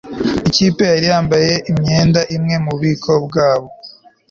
ikipe yari yambaye imyenda imwe mububiko bwaho